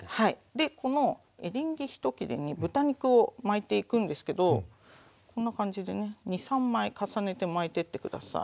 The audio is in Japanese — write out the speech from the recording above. でこのエリンギ１切れに豚肉を巻いていくんですけどこんな感じでね２３枚重ねて巻いてって下さい。